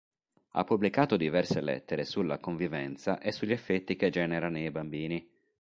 Ha pubblicato diverse lettere sulla convivenza e sugli effetti che genera nei bambini.